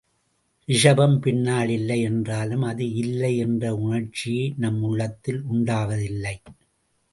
ரிஷபம் பின்னால் இல்லை என்றாலும் அது இல்லை என்ற உணர்ச்சியே நம் உள்ளத்தில் உண்டாவதில்லை.